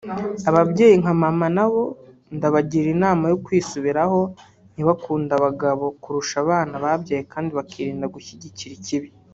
Ababyeyi nka mama na bo ndabagira inama yo kwisubiraho ntibakunde abagabo kurusha abana babyaye kandi bakirinda gushyigikira ikibi